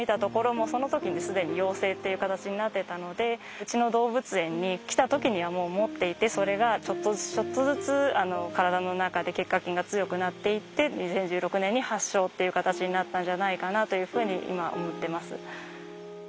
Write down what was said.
うちの動物園に来た時にはもう持っていてそれがちょっとずつちょっとずつ体の中で結核菌が強くなっていって２０１６年に発症という形になったんじゃないかなというふうに今思っています。